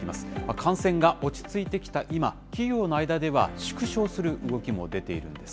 感染が落ち着いてきた今、企業の間では縮小する動きも出ているんです。